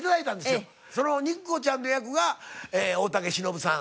その肉子ちゃんの役が大竹しのぶさん。